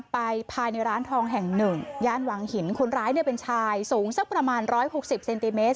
ภายในร้านทองแห่งหนึ่งย่านวังหินคนร้ายเนี่ยเป็นชายสูงสักประมาณ๑๖๐เซนติเมตร